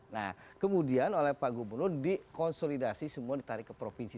nah kemudian oleh pak gubernur dikonsolidasi semua ditarik ke provinsi